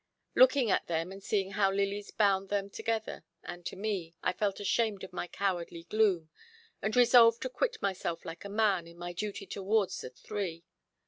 Looking at them and seeing how Lily's bound them together and to me, I felt ashamed of my cowardly gloom, and resolved to quit myself like a man in my duty towards the three.